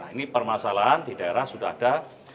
ini permasalahan di daerah sudah ada